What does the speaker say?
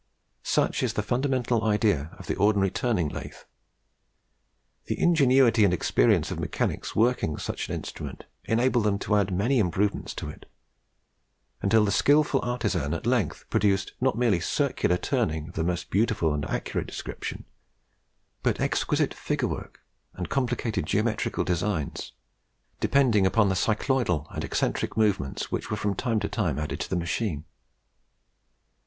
Such is the fundamental idea of the ordinary turning lathe. The ingenuity and experience of mechanics working such an instrument enabled them to add many improvements to it; until the skilful artisan at length produced not merely circular turning of the most beautiful and accurate description, but exquisite figure work, and complicated geometrical designs, depending upon the cycloidal and eccentric movements which were from time to time added to the machine.